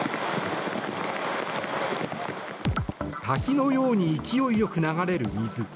滝のように勢い良く流れる水。